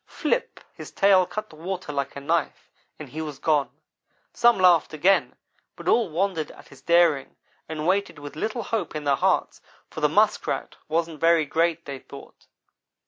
Flip! his tail cut the water like a knife, and he was gone. Some laughed again, but all wondered at his daring, and waited with little hope in their hearts; for the Muskrat wasn't very great, they thought.